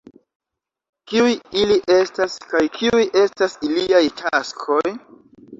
Kiuj ili estas, kaj kiuj estas iliaj taskoj?